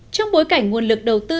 trong bối cảnh nguồn lực đầu tư